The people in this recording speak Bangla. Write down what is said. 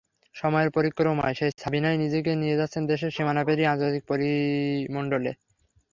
সময়ের পরিক্রমায় সেই সাবিনাই নিজেকে নিয়ে যাচ্ছেন দেশের সীমানা পেরিয়ে আন্তর্জাতিক পরিমণ্ডলে।